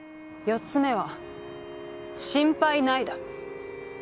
４つ目は「心配ない」だ。